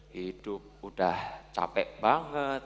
hidup udah capek banget